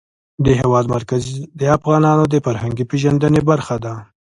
د هېواد مرکز د افغانانو د فرهنګي پیژندنې برخه ده.